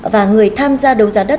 và người tham gia đấu ra đất